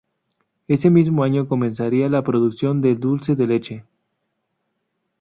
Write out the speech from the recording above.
Ese mismo año comenzaría la producción de dulce de leche.